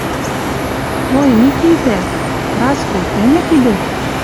«Ой, Микитӓ!» — «Праско, тӹньӹ тидӹ?»